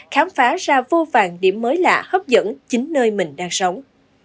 khám phá ra vô vàng điểm mới lạ hấp dẫn chính nơi mình đang sống